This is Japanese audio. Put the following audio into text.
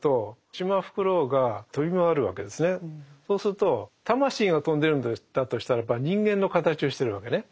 ここでそうすると魂が飛んでるんだとしたらば人間の形をしてるわけね。